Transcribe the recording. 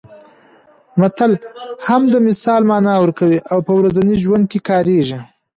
متل هم د مثال مانا ورکوي او په ورځني ژوند کې کارېږي